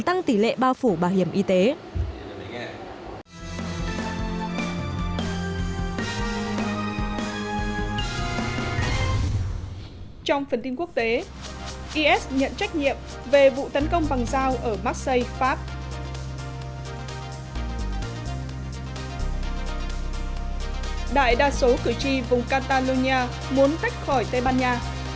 đại đa số cử tri vùng catalonia muốn tách khỏi tây ban nha